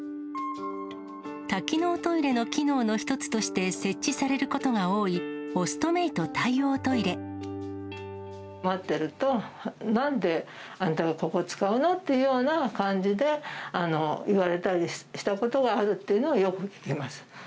多機能トイレの機能の一つとして設置されることが多いオストメイ待ってると、なんで、あなたがここを使うのっていうような感じで、言われたりしたことがあるっていうのは、よく聞きます。